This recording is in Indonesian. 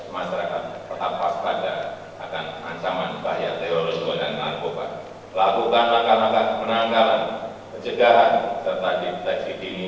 manfaatkan perkuat profesionalisme